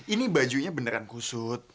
ini bajunya beneran kusut